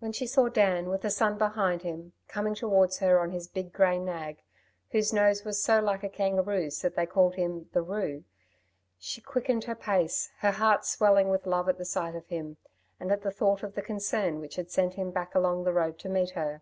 When she saw Dan, with the sun behind him, coming towards her on his big grey nag, whose nose was so like a kangaroo's that they called him "the 'Roo," she quickened her pace, her heart swelling with love at the sight of him, and at the thought of the concern which had sent him back along the road to meet her.